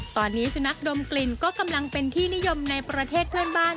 ตอนนี้สุนัขดมกลิ่นก็กำลังเป็นที่นิยมในประเทศเพื่อนบ้าน